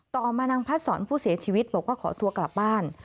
ต่อมานางพัดสอนผู้เสียชีวิตบอกว่าขอตัวกลับบ้าน